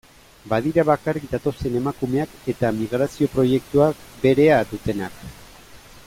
Badira bakarrik datozen emakumeak eta migrazio proiektua berea dutenak.